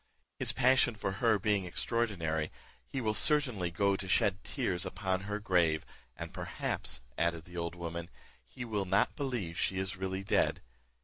His passion for her being extraordinary, he will certainly go to shed tears upon her grave; and perhaps," added the old woman, '`he will not believe she is really dead.